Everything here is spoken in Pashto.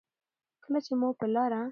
کله چې مو په لاره